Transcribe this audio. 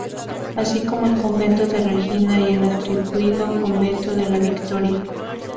Así como el Convento de Regina y el atribuido Convento de la Victoria.